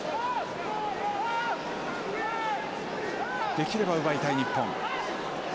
できれば奪いたい日本。